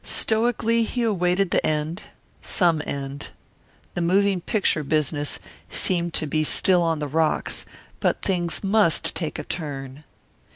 Stoically he awaited the end some end. The moving picture business seemed to be still on the rocks, but things must take a turn.